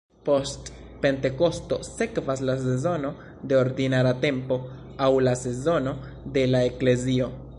Post Pentekosto sekvas la sezono de "Ordinara tempo", aŭ la sezono de la Eklezio.